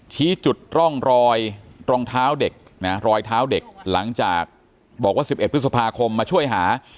ชี้จุดร่องรอยรองเท้าเด็กนะรอยเท้าเด็กหลังจากบอกว่า๑๑พฤษภาคมมาช่วยหา